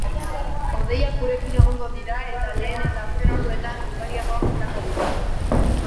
Hodeiak gurekin egongo dira eta lehen eta azken orduetan ugariagoak izango dira.